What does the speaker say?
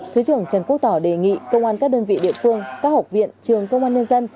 thứ trưởng trần quốc tỏ đề nghị công an các đơn vị địa phương các học viện trường công an nhân dân